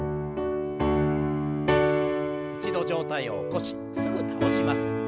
一度上体を起こしすぐ倒します。